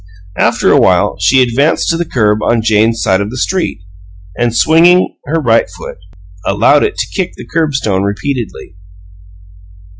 After a while, she advanced to the curb on Jane's side of the street, and, swinging her right foot, allowed it to kick the curbstone repeatedly.